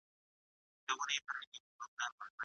د پسې غوښه ډیره لذیذه ده.